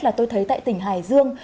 là tôi thấy tại tỉnh hải dương